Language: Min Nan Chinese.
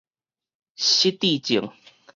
失智症